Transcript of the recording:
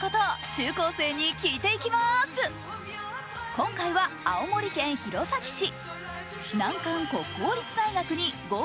今回は青森県弘前市。